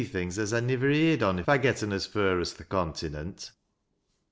14,] things as I nivver heerd (.in if I getten as fur as th' Conty nent.